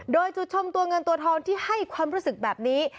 โดยจุดชมตัวเงินตัวทองที่ให้ความรู้สึกแบบนี้